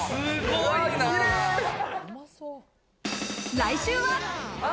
来週は。